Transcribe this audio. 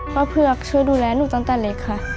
ป๊าเภือกชื่อดูแลหนูตั้งแต่เล็กค่ะ